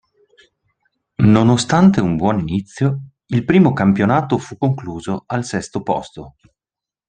Nonostante un buon inizio, il primo campionato fu concluso al sesto posto.